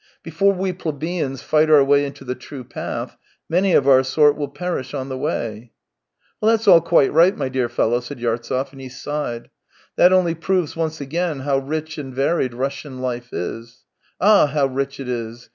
Before we plebeians fight our way into the true path, many of our sort will perish on the way." " That's ail quite right, my dear fellow," said Yartsev, and he sighed. " That only proves once again how rich and varied Russian life is. Ah, how rich it is